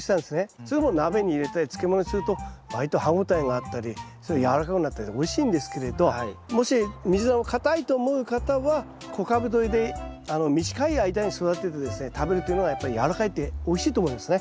それを鍋に入れたり漬物にすると割と歯応えがあったりやわらかくなったりとおいしいんですけれどもしミズナを硬いと思う方は小株どりで短い間に育ててですね食べるというのがやっぱりやわらかくておいしいと思うんですね。